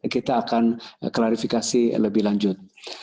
kita akan klarifikasi lebih lanjut